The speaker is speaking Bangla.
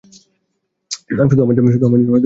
সে শুধু আমার জন্য এই ভাজা কিনেছে, দোস্ত।